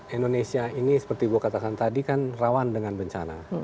indonesia ini seperti bu katakan tadi kan rawan dengan bencana